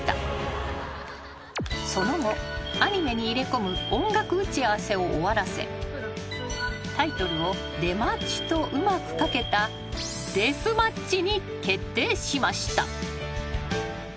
［その後アニメに入れ込む音楽打ち合わせを終わらせタイトルを「出待ち」とうまく掛けた『ＤＥａｔｈＭＡｔＣＨ』に決定しました］